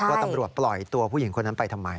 ว่าตำรวจปล่อยตัวผู้หญิงคนนั้นไปทำไม